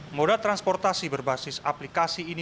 moda transportasi berbasis aplikasi ini